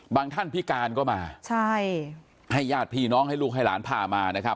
ท่านพิการก็มาใช่ให้ญาติพี่น้องให้ลูกให้หลานพามานะครับ